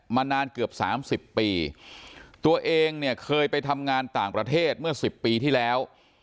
มานานเกือบ๓๐ปีตัวเองเนี่ยเคยไปทำงานต่างประเทศเมื่อ๑๐ปีที่แล้ว